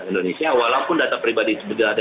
indonesia walaupun data pribadi sudah ada